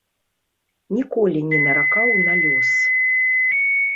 Ніколі не наракаў на лёс.